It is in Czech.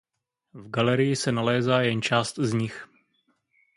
V galerii se nalézá jen část z nich.